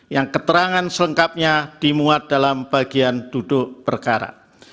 yang keterangan selengkapnya dimuat dalam bagian duduk perkara